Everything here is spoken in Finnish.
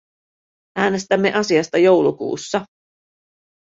Äänestämme asiasta joulukuussa.